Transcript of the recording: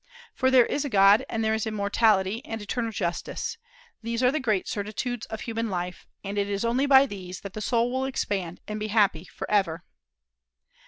for there is a God, and there is immortality and eternal justice: these are the great certitudes of human life, and it is only by these that the soul will expand and be happy forever.